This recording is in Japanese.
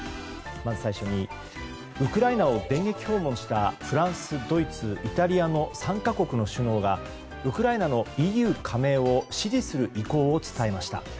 まず最初にウクライナを電撃訪問したフランス、ドイツ、イタリアの３か国の首脳がウクライナのＥＵ加盟を支持する意向を伝えました。